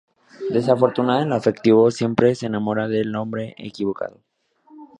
Desafortunada en lo afectivo siempre se enamora del hombre equivocado.